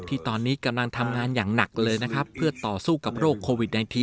ที่ตอนนี้กำลังทำงานอย่างหนักเลยนะครับเพื่อต่อสู้กับโรคโควิด๑๙